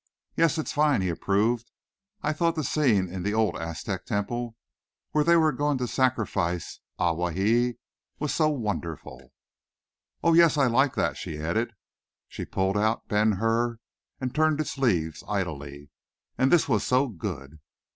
"Yes it's fine," he approved. "I thought the scene in the old Aztec temple where they were going to sacrifice Ahwahee was so wonderful!" "Oh, yes, I liked that," she added. She pulled out "Ben Hur" and turned its leaves idly. "And this was so good."